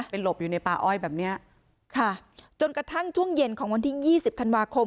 หลบอยู่ในป่าอ้อยแบบเนี้ยค่ะจนกระทั่งช่วงเย็นของวันที่ยี่สิบธันวาคม